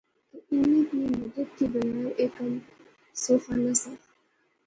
کہ انیں نی مدد تھی بغیر ایہہ کم سوخا نہسا